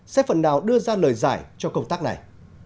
sẽ phần nào đưa ra lời giải cho công tác này